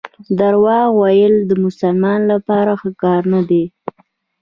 درواغ ویل د مسلمان لپاره ښه کار نه دی.